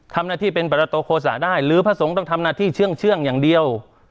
ทำหน้าที่เป็นประตูโฆษะได้หรือพระสงฆ์ต้องทำหน้าที่เชื่องอย่างเดียว